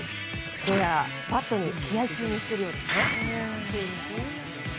どうやらバットに気合注入しているようですね。